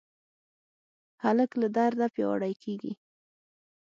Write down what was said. هلک له درده پیاوړی کېږي.